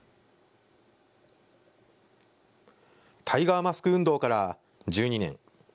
タイガーマスク運動から１２年。